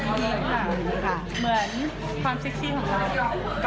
เหมือนความสิคชีของเรา